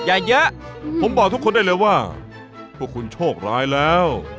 แยะผมบอกทุกคนได้เลยว่าพวกคุณโชคร้ายแล้ว